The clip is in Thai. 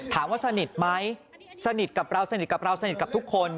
ถามว่าสนิทไหมสนิทกับเราสนิทกับเราสนิทกับทุกคน